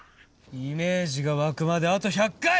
イメージが湧くまであと１００回！